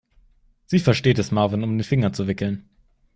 Sie versteht es, Marvin um den Finger zu wickeln.